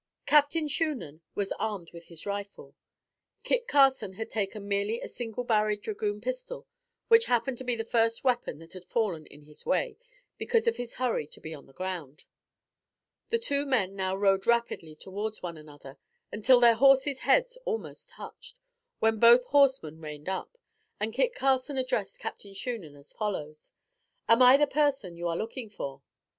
Captain Shunan was armed with his rifle. Kit Carson had taken merely a single barrel dragoon pistol which happened to be the first weapon that had fallen in his way, because of his hurry to be on the ground. The two men now rode rapidly towards one another, until their horses' heads almost touched, when both horsemen reined up, and Kit Carson addressed Captain Shunan as follows: "Am I the person you are looking for?"